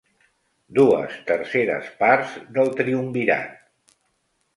Dues terceres parts del triumvirat.